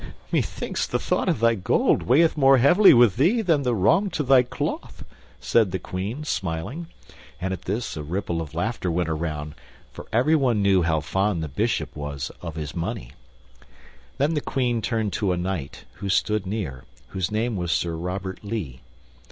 "Methinks the thought of thy gold weigheth more heavily with thee than the wrong to thy cloth," said the Queen, smiling, and at this a ripple of laughter went around, for everyone knew how fond the Bishop was of his money. Then the Queen turned to a knight who stood near, whose name was Sir Robert Lee.